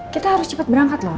kita harus cepat berangkat loh